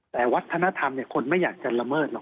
แต่วัฒนธรรมคนไม่อยากจะละเมิดหรอก